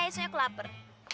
soalnya aku lapar